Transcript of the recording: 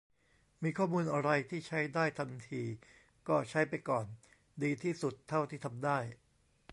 มีข้อมูลอะไรที่ใช้ได้ทันที ก็ใช้ไปก่อน ดีที่สุดเท่าที่ทำได้